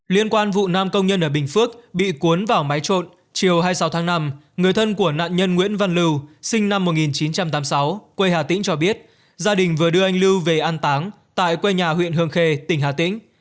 liên quan vụ nam công nhân ở bình phước bị cuốn vào máy trộn chiều hai mươi sáu tháng năm người thân của nạn nhân nguyễn văn lưu sinh năm một nghìn chín trăm tám mươi sáu quê hà tĩnh cho biết gia đình vừa đưa anh lưu về an táng tại quê nhà huyện hương khê tỉnh hà tĩnh